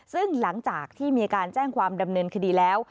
ซึ่งหลังจากที่มีการแจ้งความดำเนินคดีแล้ว